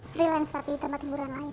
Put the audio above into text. freelance tapi di tempat hiburan lain